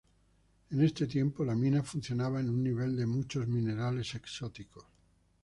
En este tiempo, la mina funcionaba en un nivel de muchos minerales exóticos.